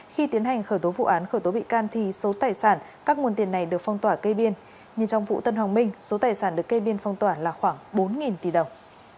khi tiến hành khởi tố vụ án khởi tố bị can thì số tài sản các nguồn tiền này được phong tỏa kê biên nhưng trong vụ tân hoàng minh số tài sản được cây biên phong tỏa là khoảng bốn tỷ đồng